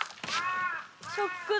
ショックだ。